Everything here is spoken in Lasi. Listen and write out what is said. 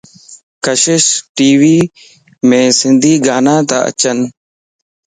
ڪشش ٽي ويم سنڌي گانا تا اچين